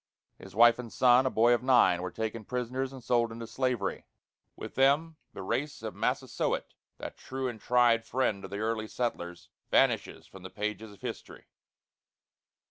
His wife and son, a boy of nine, were taken prisoners and sold into slavery. With them, the race of Massasoit, that true and tried friend of the early settlers, vanishes from the pages of history.